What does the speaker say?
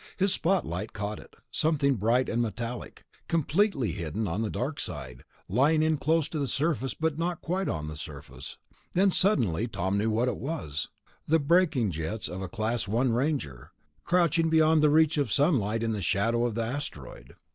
His spotlight caught it ... something bright and metallic, completely hidden on the dark side, lying in close to the surface but not quite on the surface. Then suddenly Tom knew what it was ... the braking jets of a Class I Ranger, crouching beyond the reach of sunlight in the shadow of the asteroid....